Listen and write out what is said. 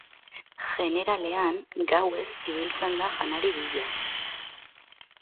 Jeneralean, gauez ibiltzen da janari bila.